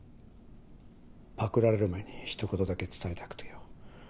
パクられる前に一言だけ伝えたくてよ。